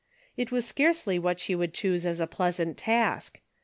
It Avas scarcely what she Avould choose as a pleasant task.